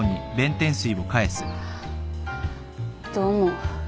どうも。